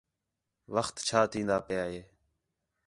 وخت چھا تِھین٘دا پیا ہے